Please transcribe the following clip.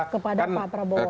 kepada pak prabowo